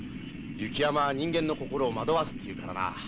雪山は人間の心を惑わすっていうからなあ。